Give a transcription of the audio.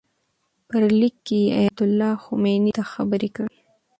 په لیک کې یې ایتالله خمیني ته خبرې کړي.